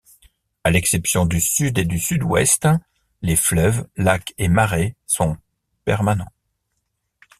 À l’exception du sud et du sud-ouest, les fleuves, lacs et marais sont permanents.